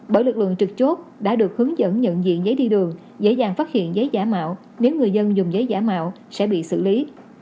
bởi lực lượng trực chốt đã được hướng dẫn nhận diện giấy đi đường dễ dàng phát hiện giấy giả mạo nếu người dân dùng giấy giả mạo sẽ bị xử lý